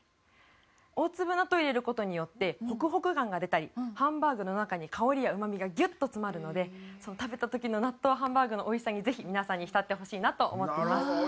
大粒納豆を入れる事によってホクホク感が出たりハンバーグの中に香りやうまみがギュッと詰まるので食べた時の納豆ハンバーグの美味しさにぜひ皆さんに浸ってほしいなと思っています。